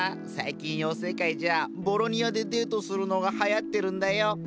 最近妖精界じゃボロニアでデートするのがはやってるんだよ。